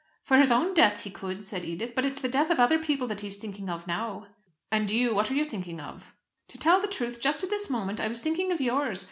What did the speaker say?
"For his own death he could," said Edith. "But it's the death of other people that he is thinking of now." "And you, what are you thinking of?" "To tell the truth, just at this moment I was thinking of yours.